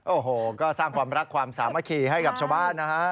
โอ้โหก็สร้างความรักความสามัคคีให้กับชาวบ้านนะฮะ